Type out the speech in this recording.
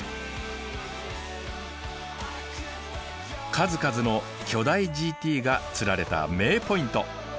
数々の巨大ＧＴが釣られた名ポイント。